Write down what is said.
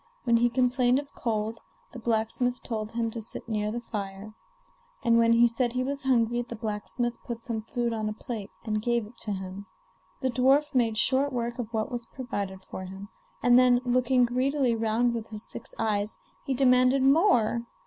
When he complained of cold, the blacksmith told him to sit near the fire; and when he said he was hungry, the blacksmith put some food on a plate and gave it to him. The dwarf made short work of what was provided for him, and then, looking greedily round with his six eyes, he demanded more.